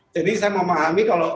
jadi saya memahami kalau